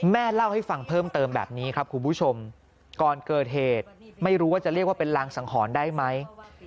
แม่เล่าให้ฟังเพิ่มเติมแบบนี้ครับคุณผู้ชมก่อนเกิดเหตุไม่รู้ว่าจะเรียกว่าเป็นรางสังหรณ์ได้ไหม